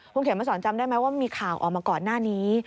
คุณเขมมาสอนจำได้ไหมว่ามีข่าวออกมาก่อนหน้านี้